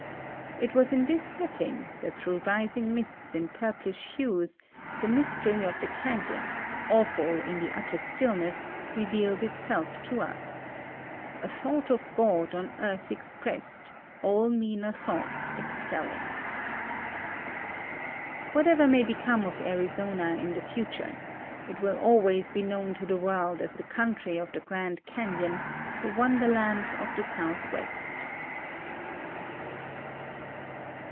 It was in this setting that through rising mists in purplish hues the mystery of the canon, awful in the utter stillness, revealed itself to us —" a thought of God on earth expressed, all meaner thoughts expelling." Whatever may become of Arizona in the future, it will always be known to the world as the country of the Grand Caiion, the wonderland of the Southwest.